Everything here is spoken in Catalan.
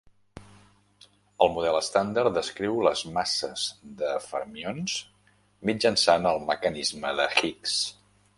El model estàndard descriu les masses de fermions mitjançant el mecanisme de Higgs.